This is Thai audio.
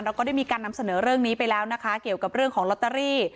ก็ได้มีการนำเสนอเรื่องนี้ไปแล้วนะคะเกี่ยวกับเรื่องของลอตเตอรี่